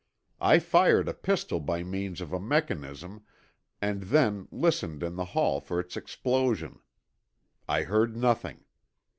I fired a pistol by means of a mechanism, and then listened in the hall for its explosion. I heard nothing.